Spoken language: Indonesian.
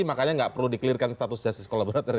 makanya nggak perlu di clear kan status justice kolaborator